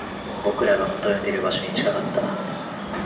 僕らが求めている場所に近かった